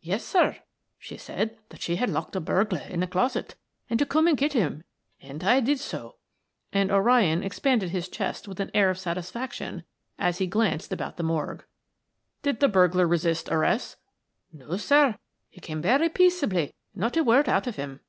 "Yes, sir. She said that she had locked a burglar in a closet, and to come and get him, and I did so," and O'Ryan expanded his chest with an air of satisfaction as be glanced about the morgue. "Did the burglar resist arrest?" "No, sir; he came very peaceably and not a word out of him."